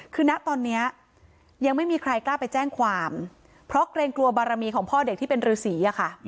คือณตอนนี้ยังไม่มีใครกล้าไปแจ้งความเพราะเกรงกลัวบารมีของพ่อเด็กที่เป็นฤษีอะค่ะ